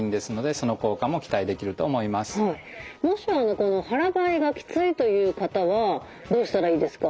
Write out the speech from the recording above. もしこの腹ばいがきついという方はどうしたらいいですか？